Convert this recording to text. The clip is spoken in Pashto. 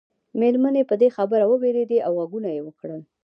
مېرمنې په دې خبره ووېرېدې او غږونه یې وکړل.